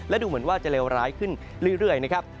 และดูเหมือนว่าจะเลวร้ายขึ้นเรื่อยนะครับ